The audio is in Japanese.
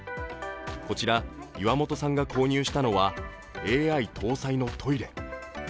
こちら岩本さんが購入したのはＡＩ搭載のトイレ。